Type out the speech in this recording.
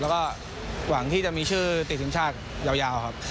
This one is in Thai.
แล้วก็หวังที่จะมีชื่อติดทีมชาติยาวครับ